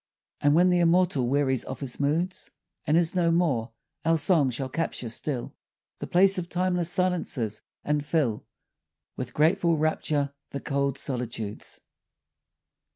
30 TO H. S. And when the Immortal wearies of His moods And is no more, our song shall capture still The place of timeless silences, and fill With grateful rapture the cold solitudes.